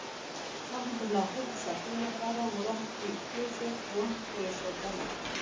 هغه د لاهور د ساتلو لپاره وړه پوځي قوه پرېښودله.